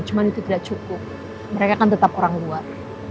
cuma itu tidak cukup mereka kan tetap orang luar